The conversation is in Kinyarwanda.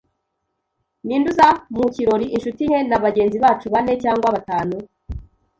"Ninde uza mu kirori?" "Inshuti nke na bagenzi bacu bane cyangwa batanu."